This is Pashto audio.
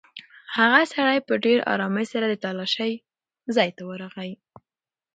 هغه سړی په ډېرې ارامۍ سره د تالاشۍ ځای ته ورغی.